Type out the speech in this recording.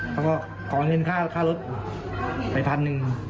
เขาก็ขอเงินค่ารถไปพันหนึ่ง